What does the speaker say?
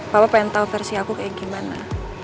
papa pengen tau versi aku kayak gimana